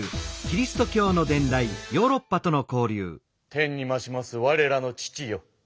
天にましますわれらの父よ。